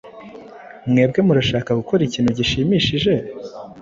Mwebwe murashaka gukora ikintu gishimishije?